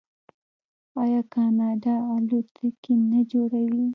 آیا کاناډا الوتکې نه جوړوي؟